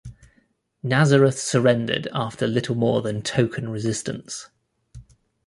Nazareth surrendered after little more than token resistance.